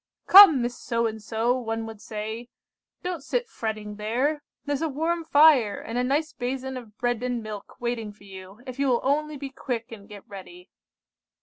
"'Come, Miss So and So,' one would say, 'don't sit fretting there; there's a warm fire, and a nice basin of bread and milk waiting for you, if you will only be quick and get ready.